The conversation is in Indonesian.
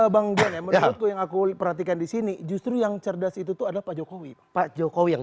bang jokowi yang aku perhatikan di sini justru yang cerdas itu ada pak jokowi pak jokowi yang